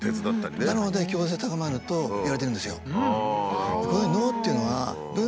なので協調性が高まるといわれてるんですよ。